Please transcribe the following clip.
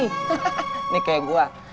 ini kayak gua